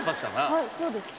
はいそうです。